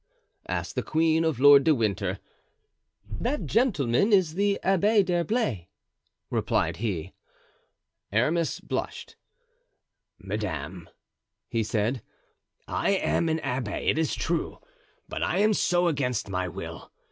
asked the queen of Lord de Winter. "That gentleman is the Abbé d'Herblay," replied he. Aramis blushed. "Madame," he said, "I am an abbé, it is true, but I am so against my will.